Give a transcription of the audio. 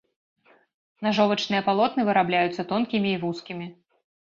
Нажовачныя палотны вырабляюцца тонкімі і вузкімі.